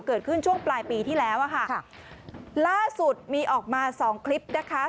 เกิดขึ้นช่วงปลายปีที่แล้วอ่ะค่ะล่าสุดมีออกมาสองคลิปนะคะ